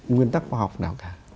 nguyên tắc khoa học nào cả